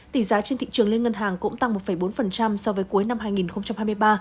tỷ giá trên thị trường lên ngân hàng cũng tăng một bốn so với cuối năm hai nghìn hai mươi ba